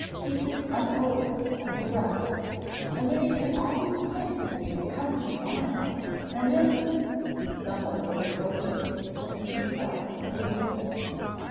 Keep it unopened on your breast, and then you can always think that he may come to morrow. And if " Someone was approaching, and she stopped and listened.